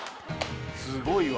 すごいわ。